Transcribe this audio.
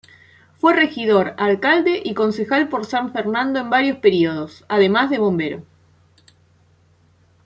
Fue regidor, alcalde y concejal por San Fernando en varios periodos, además de bombero.